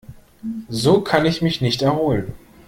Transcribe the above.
So kann ich mich nicht erholen.